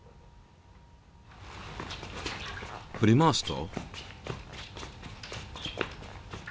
ふり回すと。